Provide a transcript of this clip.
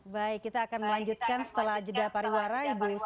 baik kita akan melanjutkan setelah jeda pariwara